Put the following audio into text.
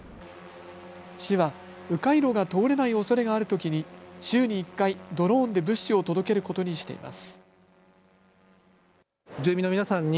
市は、う回路が通れないおそれがあるときに週に１回ドローンで物資を届けることにしています。